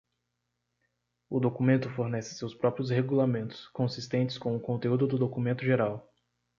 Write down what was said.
O documento fornece seus próprios regulamentos, consistentes com o conteúdo do documento geral.